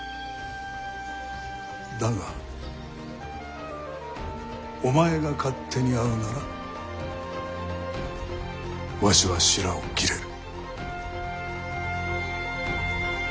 だがお前が勝手に会うならわしはしらを切れる。